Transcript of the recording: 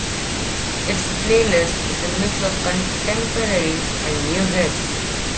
Its playlist is a mix of contemporary and new hits.